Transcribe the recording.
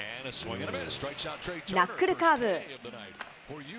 ナックルカーブ。